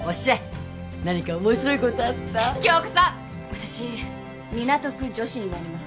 私港区女子になります